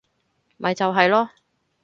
咪就係囉